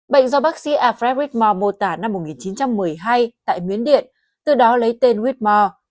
bệnh do bác sĩ alfred whitmore mô tả năm một nghìn chín trăm một mươi hai tại miến điện từ đó lấy tên whitmore